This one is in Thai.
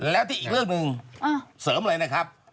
แล้วที่อีกเรื่องหนึ่งเสริมเลยนะครับ